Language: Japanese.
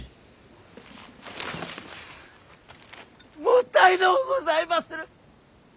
もったいのうございまする。